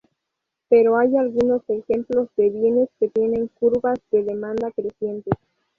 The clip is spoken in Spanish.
Pero hay algunos ejemplos de bienes que tienen curvas de demanda crecientes.